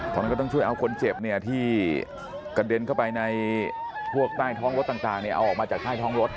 ตอนนั้นก็ต้องช่วยเอาคนเจ็บเนี่ยที่กระเด็นเข้าไปในพวกใต้ท้องรถต่างเอาออกมาจากใต้ท้องรถ